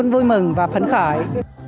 vui mừng và phấn khải